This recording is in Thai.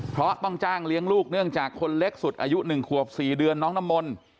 เพราะต้องจ้างเลี้ยงลูกเนื่องจากคนเล็กสุดอายุ๑ขวบ๔เดือนน้องน้ำมนต์